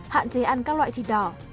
hạn chế ăn các loại thịt đỏ